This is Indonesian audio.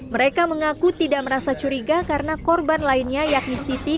mereka mengaku tidak merasa curiga karena korban lainnya yakni siti